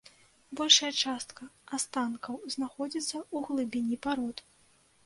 Большая частка астанкаў знаходзіцца ў глыбіні парод.